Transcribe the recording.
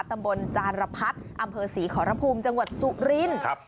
ตำบลจารพัฒน์อำเภอศรีขอรภูมิจังหวัดสุรินทร์